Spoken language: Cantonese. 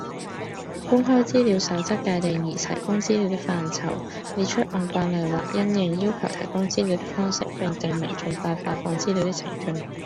公開資料守則界定擬提供資料的範疇，列出按慣例或因應要求提供資料的方式，並訂明盡快發放資料的程序